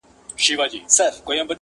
ته پیسې کټه خو دا فکرونه مکړه,